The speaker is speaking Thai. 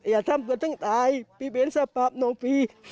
อย่าทำผลต้องตายพี่เป็นสบายสนใจ